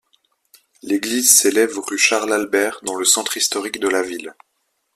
L'église s'élève rue Charles-Albert, dans le centre historique de la ville.